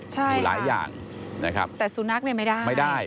ใช่ค่ะแต่สุนัขไม่ได้ไม่ได้